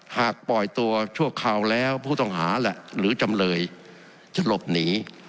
ปล่อยตัวชั่วคราวแล้วผู้ต้องหาแหละหรือจำเลยจะหลบหนี